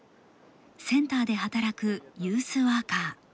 センターで働くユースワーカー。